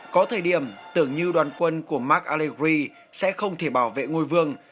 có thời điểm tưởng như đoàn quân của mark aligri sẽ không thể bảo vệ ngôi vương